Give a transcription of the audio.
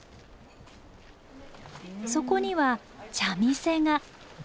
そこには茶店が。